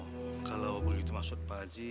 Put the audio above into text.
oh kalau begitu maksud pak ji